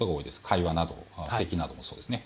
会話などせきなどもそうですね。